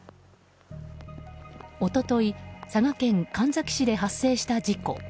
一昨日佐賀県神埼市で発生した事故。